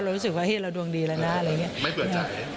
เรารู้สึกว่าให้เราดวงดีแล้วนะอะไรอย่างนี้